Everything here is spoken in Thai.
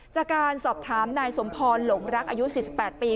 จากการสอบถามนายสมพรหลงรักอายุ๔๘ปี